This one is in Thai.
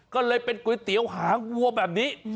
ก็เลยเป็นก๋วยเตี๋ยวหางวัวแบบนี้